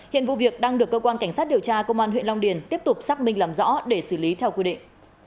hiện vụ việc đang được cơ quan cảnh sát điều tra công an huyện long điền tiếp tục xác minh làm rõ để xử lý theo quy định